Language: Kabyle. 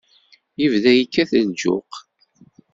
Yebda yekkat lǧuq.